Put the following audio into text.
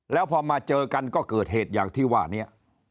แล้วพอมาเจอกันก็เกิดเหตุอย่างที่ว่านี้